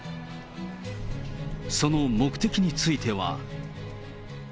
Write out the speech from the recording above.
その目的については。